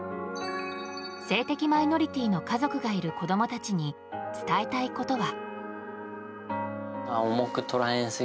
性的マイノリティーの家族がいる子供たちに伝えたいことは。